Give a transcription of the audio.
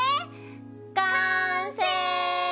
完成！